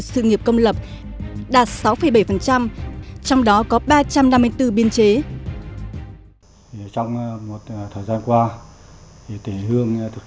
sự nghiệp công lập đạt sáu bảy trong đó có ba trăm năm mươi bốn biên chế trong một thời gian qua thể hương thực